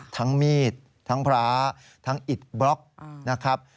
ทั้งมีดทั้งพระทั้งอิดบล็อกนะครับ